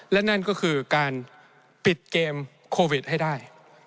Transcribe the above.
และนั่นก็คือการปิดเกมโควิดให้ได้